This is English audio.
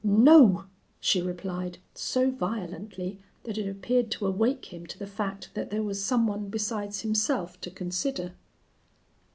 "No," she replied, so violently that it appeared to awake him to the fact that there was some one besides himself to consider.